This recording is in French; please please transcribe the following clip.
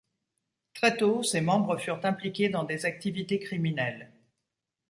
Très tôt, ses membres furent impliqués dans des activités criminelles.